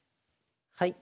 はい。